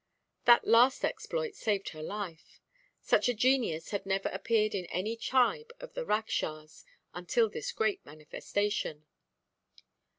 That last exploit saved her life. Such a genius had never appeared in any tribe of the Rakshas until this great manifestation.